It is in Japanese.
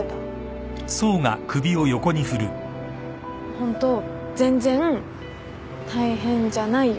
ホント全然大変じゃないよ。